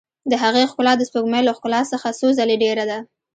د هغې ښکلا د سپوږمۍ له ښکلا څخه څو ځلې ډېره ده.